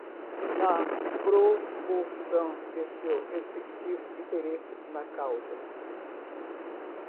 na proporção de seu respectivo interesse na causa